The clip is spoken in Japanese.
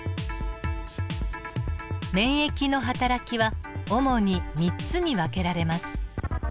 免疫のはたらきは主に３つに分けられます。